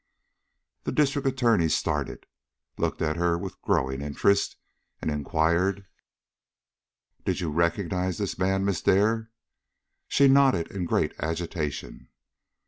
The District Attorney started, looked at her with growing interest, and inquired: "Did you recognize this man, Miss Dare?" She nodded in great agitation.